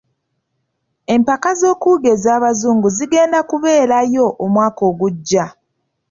Empaka z'okuwuga ez'abazngu zigenda kubeerayo omwaka ogujja.